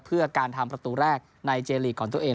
เพื่อการทำประตูแรกในเจลีกของตัวเอง